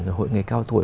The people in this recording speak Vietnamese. rồi hội người cao tuổi